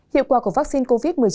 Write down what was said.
hiệu quả của vaccine covid một mươi chín